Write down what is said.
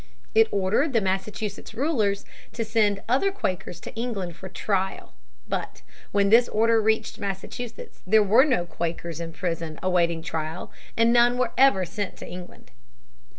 It ordered the Massachusetts rulers to send other Quakers to England for trial. But, when this order reached Massachusetts, there were no Quakers in prison awaiting trial, and none were ever sent to England.